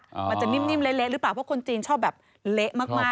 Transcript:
มันจะนิ่มเละหรือเปล่าเพราะคนจีนชอบแบบเละมากมาก